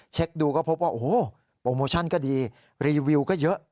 ดูก็พบว่าโอ้โหโปรโมชั่นก็ดีรีวิวก็เยอะ